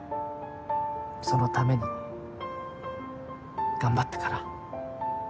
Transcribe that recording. そのために頑張ったから。